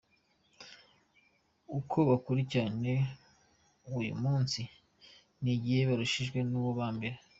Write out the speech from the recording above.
Uko bakurikiranye uyu munsi n’igihe barushijwe n’uwa mbere